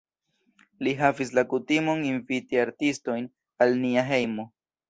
Li havis la kutimon inviti artistojn al nia hejmo.